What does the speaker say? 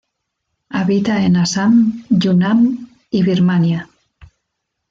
Habita en Assam, Yunnan y Birmania.